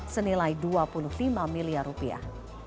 senilai dua puluh lima miliar rupiah